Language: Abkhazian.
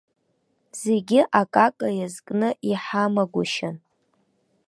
Зегьы акака иазкны иҳамагәышьан.